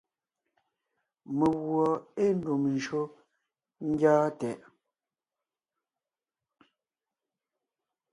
Meguɔ ée ndùm njÿó ńgyɔ́ɔn tɛʼ.